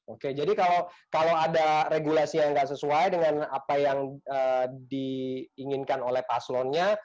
oke jadi kalau ada regulasi yang nggak sesuai dengan apa yang diinginkan oleh paslonnya